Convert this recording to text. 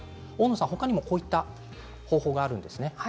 他にもいろんな方法があるんですね。